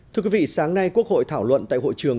thưa quý vị sáng nay quốc hội thảo luận tại hội trường